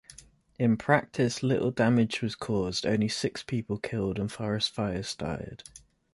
In practice little damage was caused, only six people killed and forest fires started.